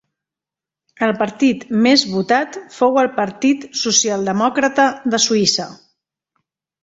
El partit més votat fou el Partit Socialdemòcrata de Suïssa.